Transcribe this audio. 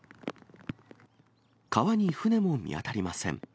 川に船も見当たりません。